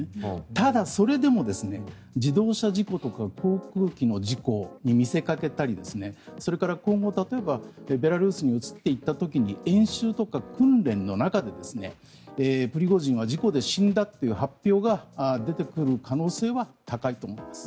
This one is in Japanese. ただ、それでも自動車事故とか航空機の事故に見せかけたりそれから今後、例えばベラルーシに移っていった時に演習とか訓練の中でプリゴジンは事故で死んだという発表が出てくる可能性は高いと思います。